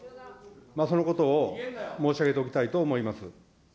そのことを申し上げておきたいと思います。